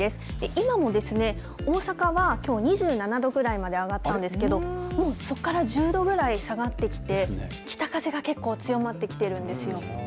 今もですね、大阪はきょう２７度ぐらいまで上がったんですけどそこから１０度ぐらい下がってきて北風が結構強まってきているんですよ。